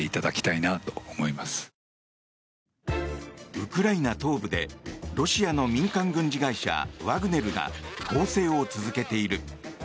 ウクライナ東部でロシアの民間軍事会社ワグネルが攻勢を続けている。